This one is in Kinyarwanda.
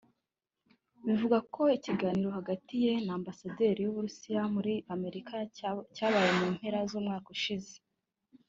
bivugwa ko ikiganiro hagati ye na Ambasaderi w’Uburusiya muri Amerika cyabaye mu mpera z'umwaka ushize